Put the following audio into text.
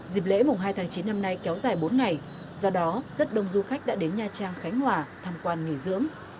dịp lễ mùng hai tháng chín năm nay kéo dài bốn ngày do đó rất đông du khách đã đến nha trang khánh hòa tham quan nghỉ dưỡng